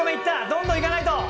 どんどん行かないと。